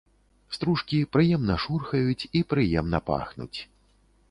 Стружкі прыемна шурхаюць і прыемна пахнуць.